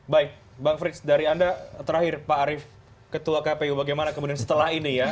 baik bang frits dari anda terakhir pak arief ketua kpu bagaimana kemudian setelah ini ya